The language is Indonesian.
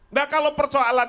nah kalau persoalan